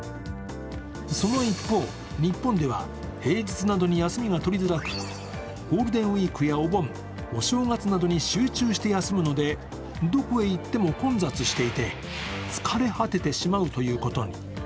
その一方、日本では平日などに休みが取りづらく、ゴールデンウイークやお盆、お正月などに集中して休むのでどこへ行っても混雑していて疲れ果ててしまうということに。